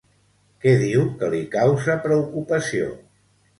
Què diu que li causa preocupació?